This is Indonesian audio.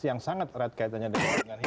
yang sangat erat kaitannya dengan